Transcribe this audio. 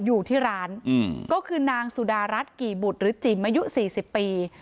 อยู่ที่ร้านอืมก็คือนางสุดารัสกี่บุตรหรือจีมมายุสี่สิบปี